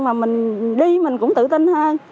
mà mình đi mình cũng tự tin hơn